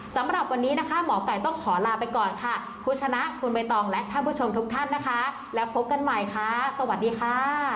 สำหรับวันนี้นะคะหมอไก่ต้องขอลาไปก่อนค่ะคุณชนะคุณใบตองและท่านผู้ชมทุกท่านนะคะแล้วพบกันใหม่ค่ะสวัสดีค่ะ